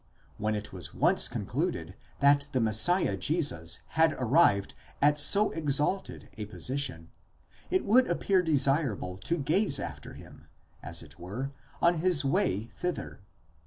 When it was once concluded that the Messiah Jesus had arrived at so exalted a position, it would appear desirable to gaze after him, as it were, on his way thither.